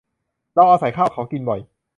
เราอาศัยข้าวเขากินบ่อย